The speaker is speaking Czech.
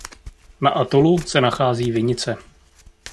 Na atolu se nachází vinice.